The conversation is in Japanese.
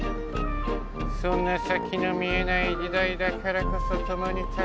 そんな先の見えない時代だからこそともに助け合い。